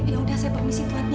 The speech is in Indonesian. ya udah saya permisi tuan ya